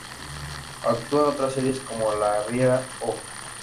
Actuó en otras series, como "La Riera", "¡Oh!